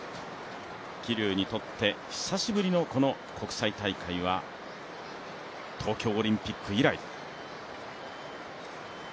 桐生にとって久しぶりの国際大会は東京オリンピック以来。